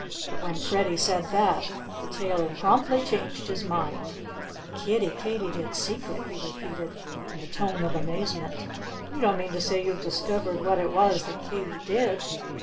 But when Freddie said that, the tailor promptly changed his mind. "Kiddie Katydid's secret!" he repeated in a tone of amazement. "You don't mean to say you've discovered what it was that Katy did?"